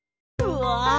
うわ！